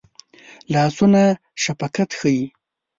لاسونه شفقت ښيي